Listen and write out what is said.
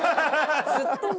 ずっと麺。